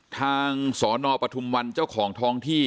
ทางสปฐมภ์ที่เจ้าของท้องที่